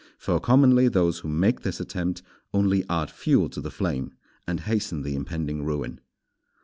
For commonly those who make this attempt only add fuel to the flame, and hasten the impending ruin.